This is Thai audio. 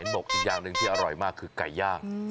บอกอีกอย่างหนึ่งที่อร่อยมากคือไก่ย่าง